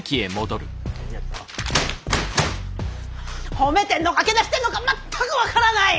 褒めてんのかけなしてんのか全く分からない！